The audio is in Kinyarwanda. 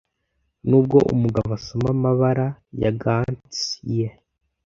nubwo umugabo asoma amabara ya gants ye